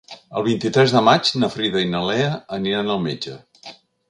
El vint-i-tres de maig na Frida i na Lea aniran al metge.